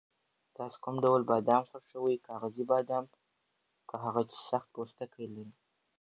تاسو کوم ډول بادام خوښوئ، کاغذي بادام که هغه چې سخت پوستکی لري؟